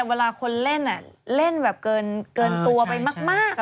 เวลาคนเล่นเล่นแบบเกินตัวไปมาก